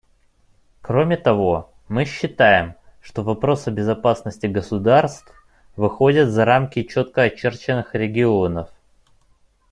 Кроме того, мы считаем, что вопросы безопасности государств выходят за рамки четко очерченных регионов.